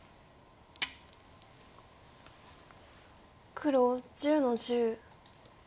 黒１０の十。